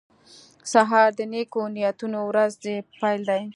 سهار د نیکو نیتونو ورځې پیل دی.